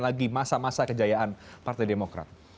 lagi masa masa kejayaan partai demokrat